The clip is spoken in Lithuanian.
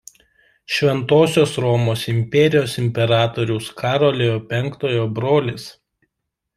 Šventosios Romos imperijos imperatoriaus Karolio V brolis.